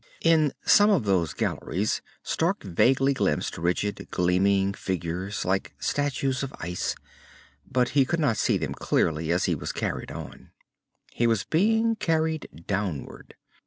In some of those galleries, Stark vaguely glimpsed rigid, gleaming figures like statues of ice, but he could not see them clearly as he was carried on. He was being carried downward.